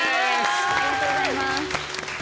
ありがとうございます。